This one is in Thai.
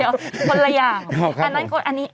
เดี๋ยวคนละอย่าง